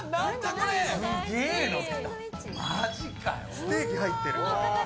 ステーキ入ってる。